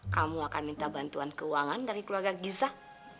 kamu akan minta bantuan keuangan dari keluarga gisah